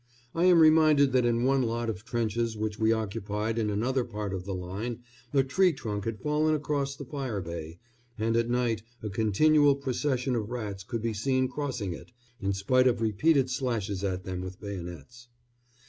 I am reminded that in one lot of trenches which we occupied in another part of the line a tree trunk had fallen across the fire bay, and at night a continual procession of rats could be seen crossing it, in spite of repeated slashes at them with bayonets.